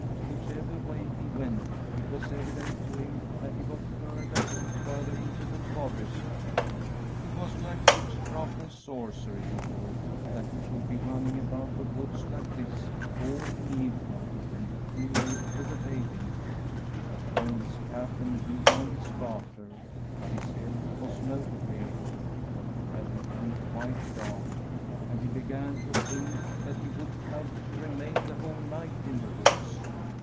Whichever way he went, it was evident to hiip that he got further and further into the forest. It was like witchcraft and sorcery, he thought, that he should be running about the woods like [ «97 J From a SWEDISH HOMESTEAD this all the evening and be too late for the bathing. He turned his cap and rebound his garter, but his head was no clearer. It had become quite dark, and he began to think that he would have to re m^n the whole night in the woods.